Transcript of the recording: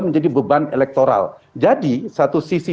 menjadi beban elektoral jadi satu sisi